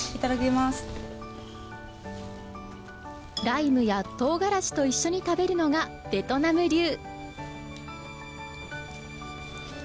ライムや唐辛子と一緒に食べるのがベトナム流。